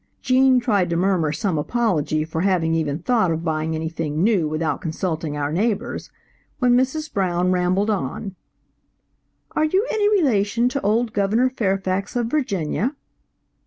Gene tried to murmur some apology for having even thought of buying anything new without consulting our neighbors, when Mrs. Brown rambled on: "Are you any relation to old Governor Fairfax of Virginia?